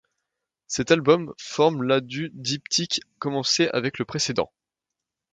Cet album forme la du diptyque commencé avec le précédent.